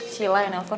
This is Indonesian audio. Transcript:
silah yang telfon